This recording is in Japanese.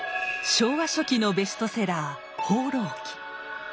昭和初期のベストセラー「放浪記」。